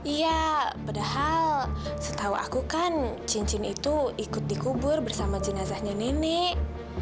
iya padahal setahu aku kan cincin itu ikut dikubur bersama jenazahnya nenek